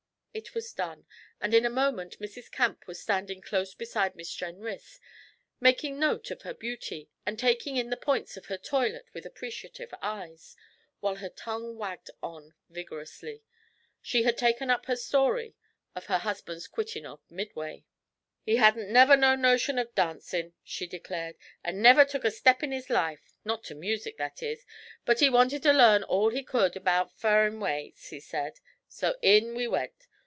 It was done, and in a moment Mrs. Camp was standing close beside Miss Jenrys, making note of her beauty, and taking in the points of her toilet with appreciative eyes, while her tongue wagged on vigorously. She had taken up her story of her husband's 'quittin' of Midway.' 'He hadn't never no notion of dancin',' she declared, 'and never took a step in his life not to music, that is. But he wanted to learn all he could about furrin ways, he said, so in we went.